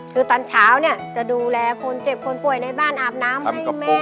คือตอนเช้าเนี่ยจะดูแลคนเจ็บคนป่วยในบ้านอาบน้ำให้แม่